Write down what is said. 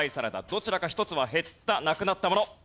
どちらか１つは減った・なくなったもの。